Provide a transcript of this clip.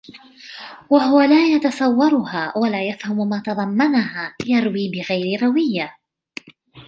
وَهُوَ لَا يَتَصَوَّرُهَا وَلَا يَفْهَمُ مَا تَضَمَّنَهَا يَرْوِي بِغَيْرِ رَوِيَّةٍ